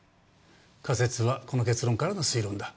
仮説はこの結論からの推論だ。